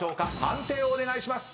判定をお願いします。